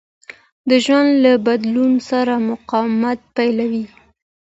د ژوند له بدلون سره مقاومت پيلوي.